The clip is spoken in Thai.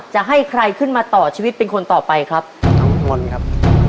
จะให้ใครขึ้นมาต่อชีวิตเป็นคนต่อไปครับน้องมนต์ครับ